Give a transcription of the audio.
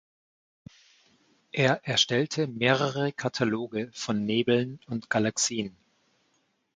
Er erstellte mehrere Kataloge von Nebeln und Galaxien.